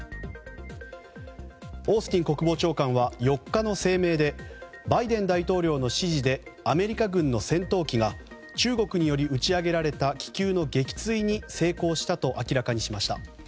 オースティン国防長官は４日の声明でバイデン大統領の指示でアメリカ軍の戦闘機が中国により打ち上げられた気球の撃墜に成功したと明らかにしました。